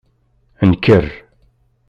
Nker!